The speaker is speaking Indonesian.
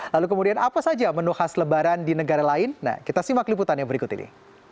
lalu kemudian apa saja menu khas lebaran di negara lain nah kita simak liputannya berikut ini